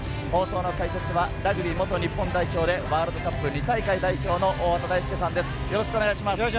解説はラグビー元日本代表でワールドカップ２大会代表の大畑大介さんです。